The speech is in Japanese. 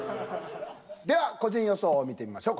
では個人予想を見てみましょう。